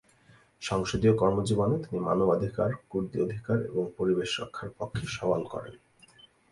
সংসদীয় কর্মজীবনে তিনি মানবাধিকার, কুর্দি অধিকার এবং পরিবেশ রক্ষার পক্ষে সওয়াল করেন।